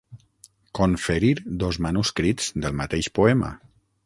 Conferir dos manuscrits del mateix poema.